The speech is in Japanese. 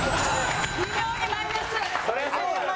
微妙にマイナス！